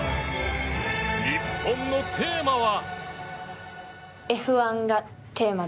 日本のテーマは。